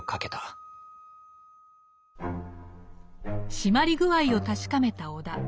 しまり具合を確かめた尾田。